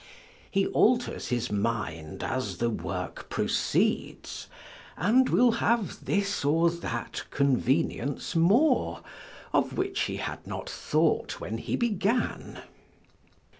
He alters his mind as the work proceeds, and will have this or that convenience more, of which he had not thought when he began.